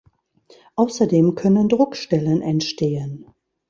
Außerdem können Druckstellen entstehen.